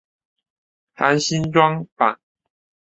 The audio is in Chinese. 含新装版。